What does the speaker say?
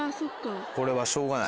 これはしょうがない。